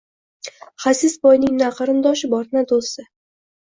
Xasis boyning na qarindoshi bor, na doʻsti